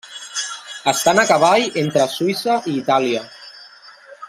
Estan a cavall entre Suïssa i Itàlia.